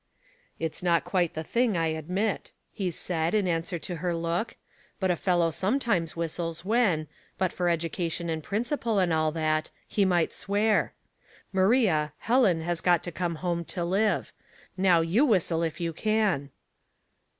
"It's not quite the thing, I admit," he said, in answer to her look. "But a fellow sometimes whistles when, but for education and principle and all that, he might swear. Maria, Helen baa got to come homo to live. Now, you whistle if you can."